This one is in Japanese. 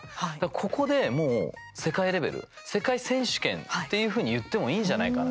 ここで、もう世界レベル世界選手権っていうふうに言ってもいいんじゃないかな。